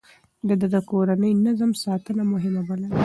ده د کورني نظم ساتنه مهمه بلله.